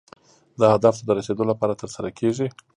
دا هدف ته د رسیدو لپاره ترسره کیږي.